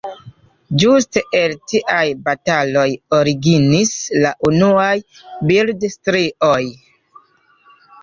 Ĝuste el tiaj bataloj originis la unuaj bildstrioj.